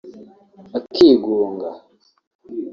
akigunga